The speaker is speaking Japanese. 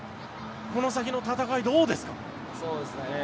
この先の戦い、どうですか？